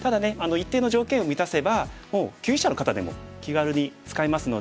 一定の条件を満たせば級位者の方でも気軽に使えますので。